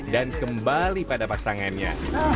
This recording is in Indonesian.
dan kembali pada pasangannya